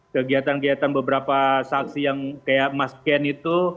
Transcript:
kegiatan kegiatan beberapa saksi yang kayak mas ken itu